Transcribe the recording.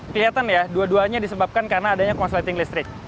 kelihatan ya dua duanya disebabkan karena adanya korsleting listrik